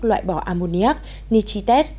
loại bỏ ammonia nitritate